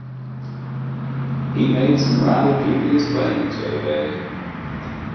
He made some rather dubious claims the other day.